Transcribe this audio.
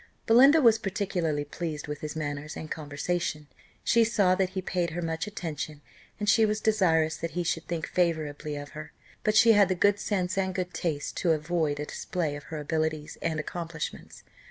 Belinda was particularly pleased with his manners and conversation; she saw that he paid her much attention, and she was desirous that he should think favourably of her; but she had the good sense and good taste to avoid a display of her abilities and accomplishments.